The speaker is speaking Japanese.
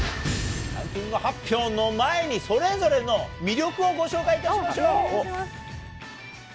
ランキング発表の前に、それぞれの魅力をご紹介いたしましょう。